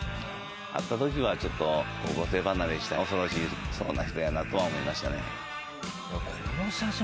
会った時はちょっと高校生離れした恐ろしそうな人やなとは思いましたね。